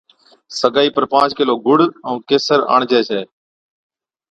سگائِي پر پانچ پا گُڙ ائُون قيسر آڻجي ڇَي